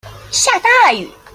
下大雨